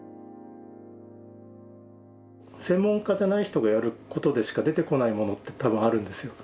専門家じゃない人がやることでしか出てこないものって多分あるんですよ。